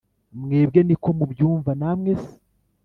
mwebwe niko mubyumva namwe se